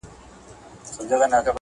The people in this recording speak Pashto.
مُلا په ولاحول زموږ له کوره وو شړلی،